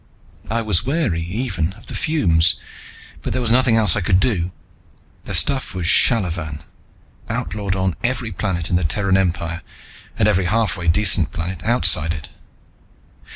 I was wary even of the fumes, but there was nothing else I could do. The stuff was shallavan, outlawed on every planet in the Terran Empire and every halfway decent planet outside it.